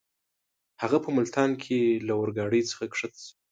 هغه په ملتان کې له اورګاډۍ څخه کښته شو.